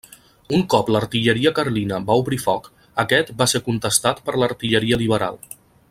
Un cop l'artilleria carlina va obrir foc, aquest va ser contestat per l'artilleria liberal.